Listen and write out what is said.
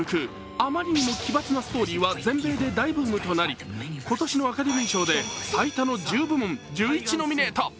あまりにも奇抜なストーリーは全米で大ブームとなり今年のアカデミー賞で最多の１０部門１１ノミネート。